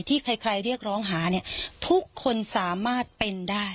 ที่ใครเรียกร้องหาเนี่ยทุกคนสามารถเป็นได้